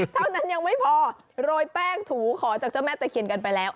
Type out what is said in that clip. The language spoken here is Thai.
เท่านั้นยังไม่พอโรยแป้งถูขอจากเจ้าแม่ตะเคียนกันไปแล้ว